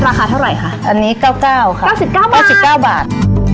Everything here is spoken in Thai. ราคาเท่าไหร่ค่ะอันนี้เก้าเก้าค่ะเก้าสิบเก้าบาทเก้าสิบเก้าบาท